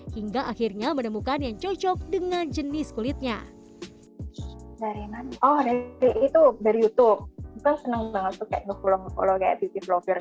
hingga akhirnya menemukan klinik yang lebih baik